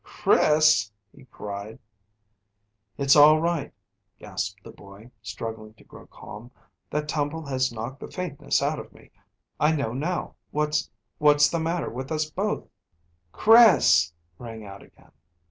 "Chris!" he cried. "It's all right," gasped the boy, struggling to grow calm. "That tumble has knocked the faintness out of me. I know now what's what's the matter with us both." "Chris!" rang out again.